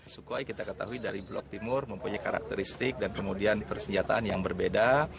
sukhoi kita ketahui dari blok timur mempunyai karakteristik dan kemudian persenjataan yang berbeda